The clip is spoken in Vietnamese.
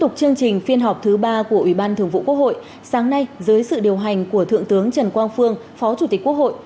tiếp tục chương trình phiên họp thứ ba của ủy ban thường vụ quốc hội sáng nay dưới sự điều hành của thượng tướng trần quang phương phó chủ tịch quốc hội